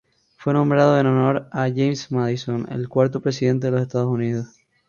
Fue nombrado en honor a James Madison, el cuarto Presidente de los Estados Unidos.